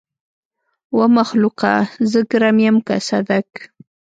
ومخلوقه! زه ګرم يم که صدک.